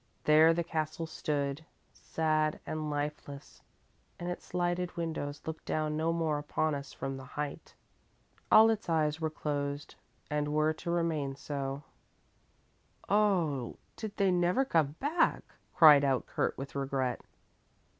There the castle stood, sad and lifeless, and its lighted windows looked down no more upon us from the height. All its eyes were closed and were to remain so." "Oh, oh, did they never come back?" cried out Kurt with regret.